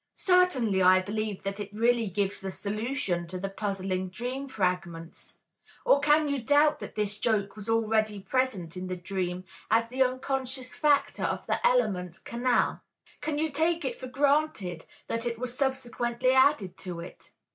Certainly, I believe that it really gives the solution to the puzzling dream fragments. Or can you doubt that this joke was already present in the dream, as the unconscious factor of the element, "canal." Can you take it for granted that it was subsequently added to it?